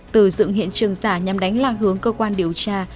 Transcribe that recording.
từ dựng hiện trường giả nhằm đánh lạc hướng cơ quan điều tra